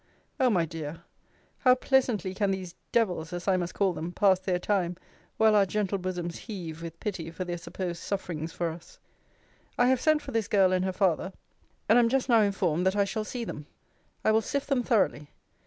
O my dear! how pleasantly can these devils, as I must call them, pass their time, while our gentle bosoms heave with pity for their supposed sufferings for us! I have sent for this girl and her father; and am just now informed, that I shall see them. I will sift them thoroughly.